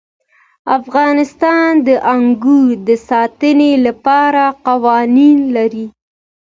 افغانستان د انګور د ساتنې لپاره قوانین لري.